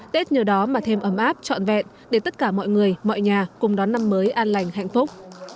tết nhờ đó mà thêm ấm áp trọn vẹn để tất cả mọi người mọi nhà cùng đón năm mới an lành hạnh phúc